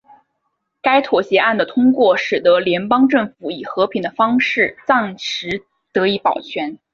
该妥协案的通过使得联邦政府以和平的方式暂时得以保全。